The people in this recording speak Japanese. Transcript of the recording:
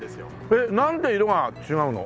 えっなんで色が違うの？